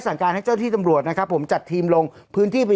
การให้เจ้าที่ตำรวจนะครับผมจัดทีมลงพื้นที่ไป